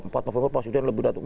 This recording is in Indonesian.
pak jokowi sudah lebih datang